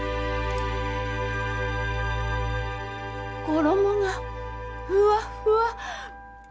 衣がふわっふわ。